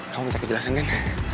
kamu minta kejelasan kan